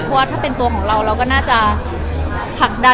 เพราะว่าถ้าเป็นตัวของเราเราก็น่าจะผลักได้